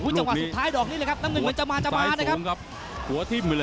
จังหวะสุดท้ายน้ำเงินจะมาจะมาตัวหัวโถ่